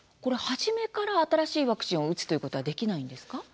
初めから新しいワクチンを打つということはできないんですか？